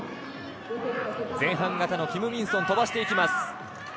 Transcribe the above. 前半型のキム・ミンソンが飛ばしていきます。